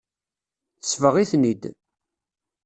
Tesbeɣ-iten-id.